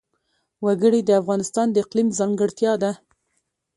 وګړي د افغانستان د اقلیم ځانګړتیا ده.